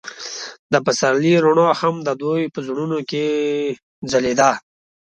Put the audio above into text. د پسرلی رڼا هم د دوی په زړونو کې ځلېده.